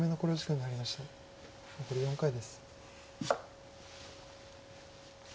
残り４回です。